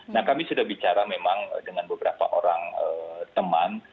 nah kami sudah bicara memang dengan beberapa orang teman